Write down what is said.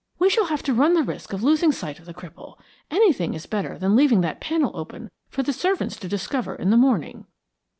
We shall have to run the risk of losing sight of the cripple; anything is better than leaving that panel open for the servants to discover in the morning."